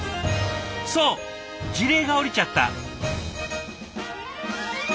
そう辞令が下りちゃった。